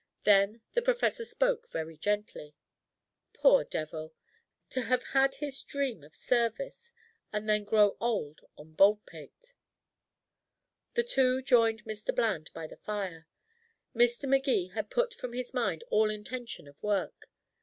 Then the professor spoke very gently: "Poor devil to have had his dream of service and then grow old on Baldpate." The two joined Mr. Bland by the fire. Mr. Magee had put from his mind all intention of work.